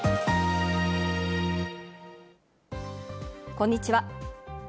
こんにちは。